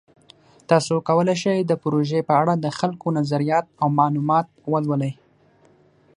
تاسو کولی شئ د پروژې په اړه د خلکو نظریات او معلومات ولولئ.